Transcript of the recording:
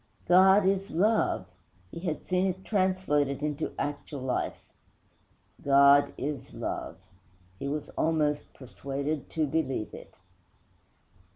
'God is love!' he had seen it translated into actual life. 'God is love!' he was almost persuaded to believe it.